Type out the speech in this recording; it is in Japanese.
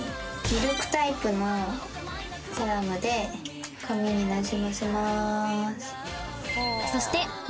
ミルクタイプのセラムで髪になじませます。